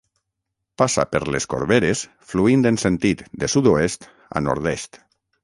Passa per les Corberes fluint en sentit de sud-oest a nord-est.